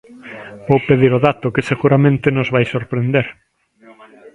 Vou pedir o dato, que seguramente nos vai sorprender.